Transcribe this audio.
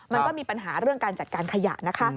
มันก็มีปัญหาเรื่องการจัดการขยะนะคะ